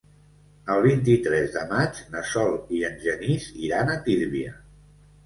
El vint-i-tres de maig na Sol i en Genís iran a Tírvia.